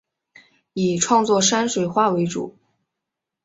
以创作山水画为主。